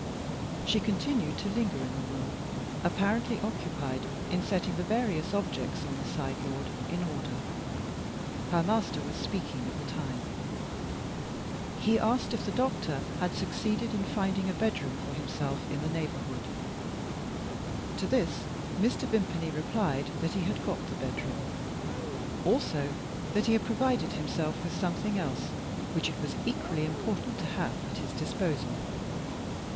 She continued to linger in the room, apparently occupied in setting the various objects on the sideboard in order. Her master was speaking at the time; he asked if the doctor had succeeded in finding a bed room for himself in the neighbourhood. To this Mr. Vimpany replied that he had got the bed room. Also, that he had provided himself with something else, which it was equally important to have at his disposal.